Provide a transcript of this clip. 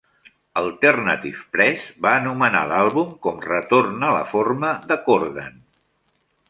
"Alternative Press" va anomenar l'àlbum com "retorn a la forma" de Corgan.